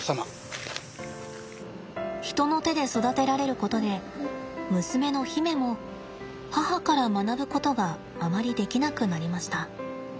人の手で育てられることで娘の媛も母から学ぶことがあまりできなくなりました。